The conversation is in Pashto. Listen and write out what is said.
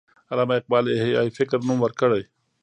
علامه اقبال احیای فکر نوم ورکړی.